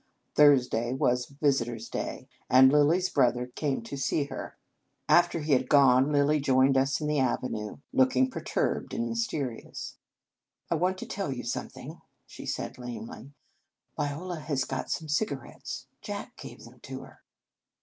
Thursday was visitors day, and Lilly s brother came to see 127 In Our Convent Days her. After he had gone, Lilly joined us in the avenue, looking perturbed and mysterious. " I want to tell you something," she said lamely. "Viola has got some cigarettes. Jack gave them to her."